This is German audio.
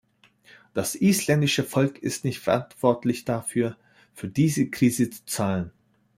Das isländische Volk ist nicht verantwortlich dafür, für diese Krise zu zahlen.